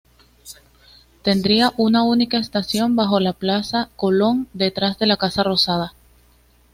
Tendría una única estación bajo la Plaza Colón, detrás de la Casa Rosada.